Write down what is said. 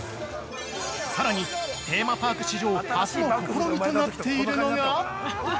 ◆さらに、テーマパーク史上初の試みとなっているのが？